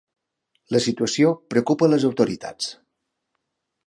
La situació preocupa a les autoritats.